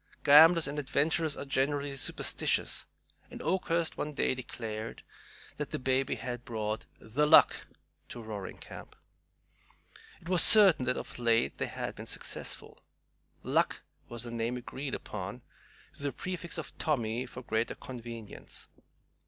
Gamblers and adventurers are generally superstitious, and Oakhurst one day declared that the baby had brought "the luck" to Roaring Camp. It was certain that of late they had been successful. "Luck" was the name agreed upon, with the prefix of Tommy for greater convenience.